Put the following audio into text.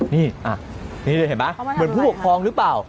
นี่นี่เห็นไหมเหมือนผู้ปกครองหรือเปล่า